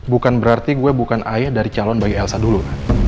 bukan berarti gue bukan ayah dari calon bayi elsa dulu